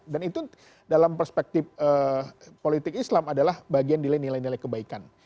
dan itu dalam perspektif politik islam adalah bagian nilai nilai kebaikan